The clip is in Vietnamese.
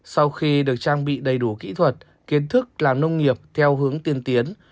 sau khi được trang bị đầy đủ kỹ thuật kiến thức làm nông nghiệp theo hướng tiên tiến